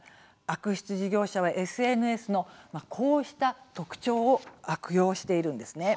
悪質事業者はＳＮＳのこうした特徴を悪用しているんですね。